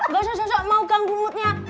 ga sesok sesok mau ganggu moodnya